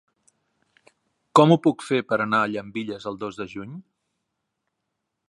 Com ho puc fer per anar a Llambilles el dos de juny?